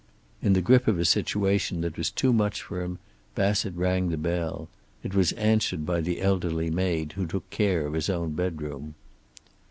In the grip of a situation that was too much for him, Bassett rang the bell. It was answered by the elderly maid who took care of his own bedroom.